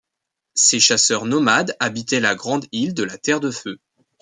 Ces chasseurs nomades habitaient la grande île de la Terre de Feu.